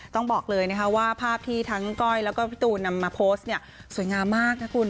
ต้องบอกเลยนะคะว่าภาพที่ทั้งก้อยแล้วก็พี่ตูนนำมาโพสต์เนี่ยสวยงามมากนะคุณ